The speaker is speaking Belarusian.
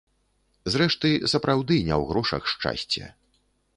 Зрэшты, сапраўды не ў грошах шчасце.